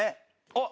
あっ。